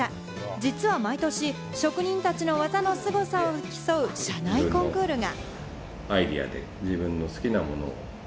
実は毎年、職人たちの技のすごさを競う社内コンクールが。